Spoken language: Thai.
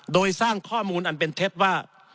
โดยสร้างข้อมูลอันเป็นเท็จว่า